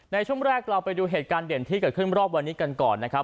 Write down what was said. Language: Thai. ในช่วงแรกเราไปดูเหตุการณ์เด่นที่เกิดขึ้นรอบวันนี้กันก่อนนะครับ